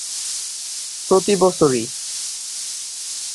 প্রতিবছর ই!